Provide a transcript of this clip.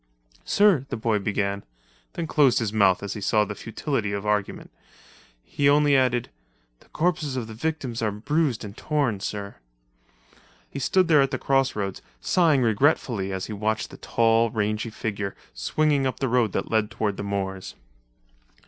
"Sir," the boy began, then closed his mouth as he saw the futility of argument. He only added, "The corpses of the victims are bruised and torn, sir." He stood there at the crossroads, sighing regretfully as he watched the tall, rangy figure swinging up the road that led toward the moors.